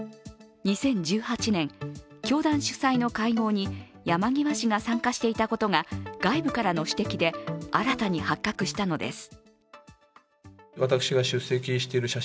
２０１８年、教団主催の会合に山際氏が参加していたことが外部からの指摘で、新たに発覚したのです。